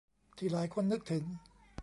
ที่หลายคนนึกถึง